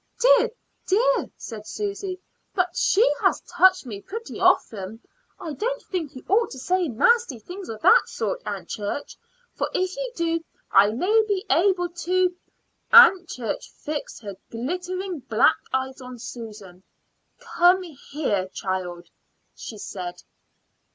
"Dear, dear!" said Susy. "But she has touched me pretty often. I don't think you ought to say nasty things of that sort, Aunt Church, for if you do I may be able to " Aunt Church fixed her glittering black eyes on Susan. "Come here, child," she said.